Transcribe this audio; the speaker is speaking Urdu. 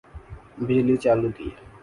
بجلی چالو کی